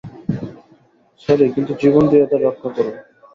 Sorry, কিন্তু জীবন দিয়ে ওদের রক্ষা করো!